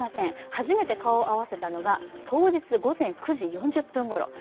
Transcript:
初めて会ったのが当日午前９時４０分ごろ。